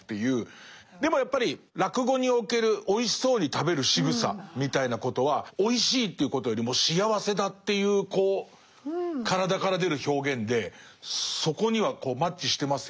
でもやっぱり落語におけるおいしそうに食べるしぐさみたいなことはおいしいということよりも幸せだっていうこう体から出る表現でそこにはマッチしてますよね。